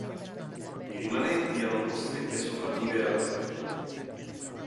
I rimanenti erano costretti a sopravvivere all'aperto.